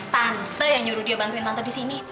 tante yang nyuruh dia bantuin tante disini